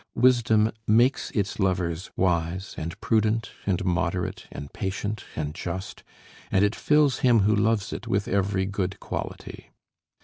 Wisdom makes its lovers wise, and prudent, and moderate, and patient, and just; and it fills him who loves it with every good quality.